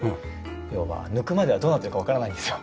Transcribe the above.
要は抜くまではどうなってるかわからないんですよ。